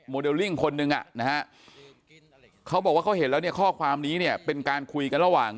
เลลิ่งคนนึงอ่ะนะฮะเขาบอกว่าเขาเห็นแล้วเนี่ยข้อความนี้เนี่ยเป็นการคุยกันระหว่าง